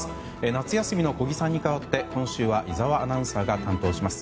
夏休みの小木さんに代わって今週は井澤アナウンサーが担当します。